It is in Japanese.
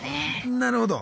なるほど。